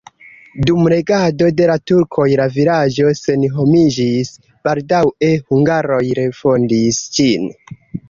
Dum regado de la turkoj la vilaĝo senhomiĝis, baldaŭe hungaroj refondis ĝin.